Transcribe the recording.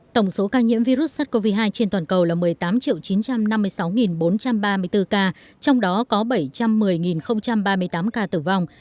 tổng số ca nhiễm virus sars cov hai trên toàn cầu là một mươi tám chín trăm năm mươi sáu bốn trăm ba mươi bốn ca trong đó có bảy trăm một mươi ba mươi tám ca tử vong